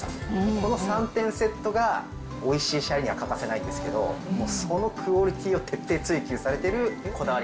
この３点セットが、おいしいシャリには欠かせないんですけど、もうそのクオリティーを徹底追求されてるこだわり。